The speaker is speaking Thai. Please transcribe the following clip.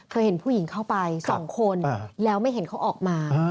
เห็นผู้หญิงเข้าไป๒คนแล้วไม่เห็นเขาออกมา